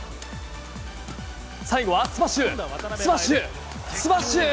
最後はスマッシュスマッシュ、スマッシュ！